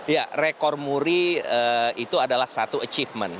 ya rekor muri itu adalah satu achievement